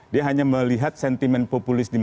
dia hanya melihat sentimen populis